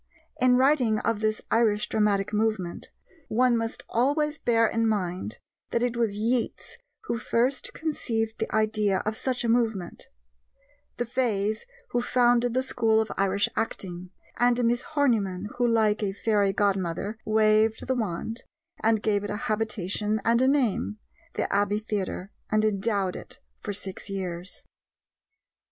In writing of this Irish dramatic movement, one must always bear in mind that it was Yeats who first conceived the idea of such a movement; the Fays who founded the school of Irish acting; and Miss Horniman who, like a fairy godmother, waved the wand, and gave it a habitation and a name the Abbey Theatre and endowed it for six years.